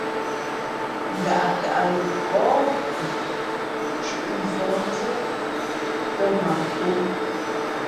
Ngaʼkaʼ lαkάά hu thʉ̄ʼ mfα̌hnzᾱ tᾱ nam tōm.